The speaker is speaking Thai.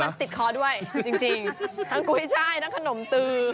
แล้วมันติดขอดด้วยจริงขานมตือ